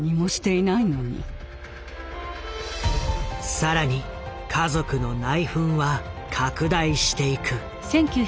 更に家族の内紛は拡大していく。